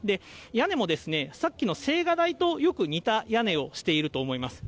屋根もさっきの青瓦台とよく似た屋根をしていると思います。